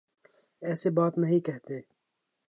ایسی بات نہیں کہتے